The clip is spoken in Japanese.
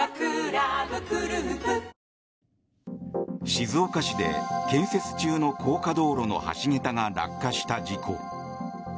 静岡市で建設中の高架道路の橋桁が落下した事故。